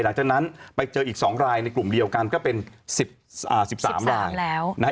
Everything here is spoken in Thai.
หลังจากนั้นไปเจออีกสองรายในกลุ่มเดียวกันก็เป็นสิบสามราย